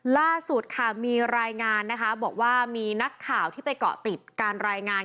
ล่าสุดมีรายงานมีนักข่าวที่ไปเกาะติดการรายงาน